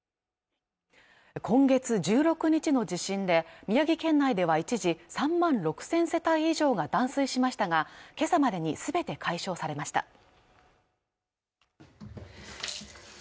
今月１６日の地震で宮城県内では一時３万６０００世帯以上が断水しましたがけさまでにすべて解消されました